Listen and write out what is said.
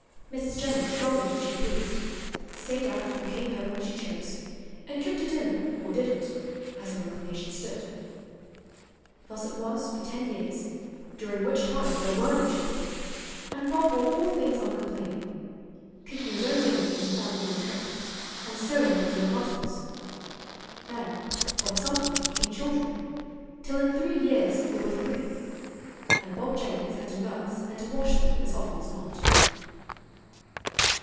Mrs. Jennings governed as she pleased, stayed out or came home as she chose, and cooked a dinner or didn't, as her inclination stood. Thus it was for ten years, during which time there were no children, and Bob bore all things uncomplaining: cooking his own dinner when he found none cooked, and sewing on his own buttons. Then of a sudden came children, till in three years there were three; and Bob Jennings had to nurse and to wash them as often as not.